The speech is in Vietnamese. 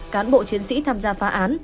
cán bộ chiến sĩ tham gia phá án